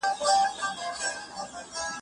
چې په پښو مې د نکریزو د رنګ ګل کړې